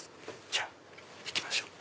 じゃあ行きましょう。